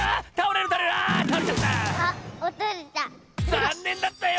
ざんねんだったよ！